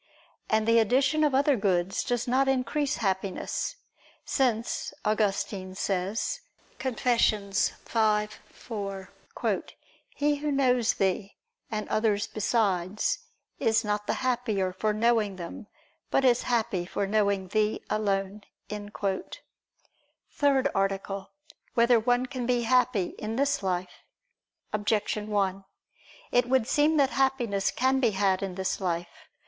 And the addition of other goods does not increase Happiness, since Augustine says (Confess. v, 4): "He who knows Thee, and others besides, is not the happier for knowing them, but is happy for knowing Thee alone." ________________________ THIRD ARTICLE [I II, Q. 5, Art. 3] Whether One Can Be Happy in This Life? Objection 1: It would seem that Happiness can be had in this life.